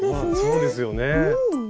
そうですよね。